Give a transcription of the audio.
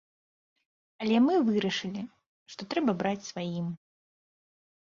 Але мы вырашылі, што трэба браць сваім.